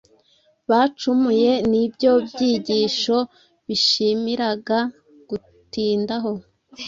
bacumuye ni byo byigisho bishimiraga gutindaho.